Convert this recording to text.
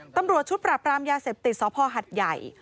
ตำรวจชุดปราบรามยาเสพติดสพหัดใหญ่